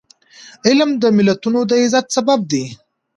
علم د ملتونو د عزت سبب دی.